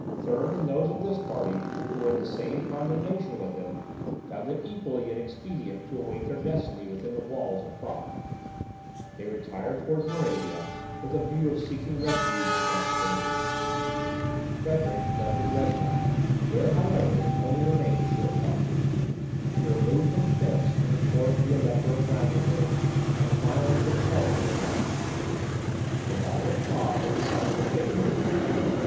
Thurn, and those of this party who were in the same condemnation with him, found it equally inexpedient to await their destiny within the walls of Prague. They retired towards Moravia, with a view of seeking refuge in Transylvania. Frederick fled to Breslau, where, however, he only remained a short time. He removed from thence to the court of the Elector of Brandenburg, and finally took shelter in Holland. The battle of Prague had decided the fate of Bohemia.